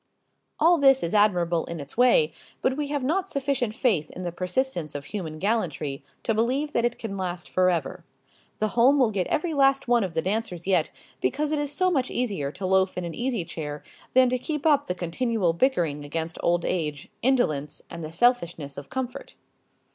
All this is admirable in its way, but we have not sufficient faith in the persistence of human gallantry to believe that it can last forever. The home will get every last one of the dancers yet because it is so much easier to loaf in an easy chair than to keep up the continual bickering against old age, indolence, and the selfishness of comfort.